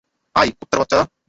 আয়, কু্ত্তার বাচ্চারা!